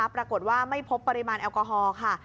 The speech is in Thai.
ปรากฏว่าไม่พบปริมาณแอลกอฮอล์ค่ะ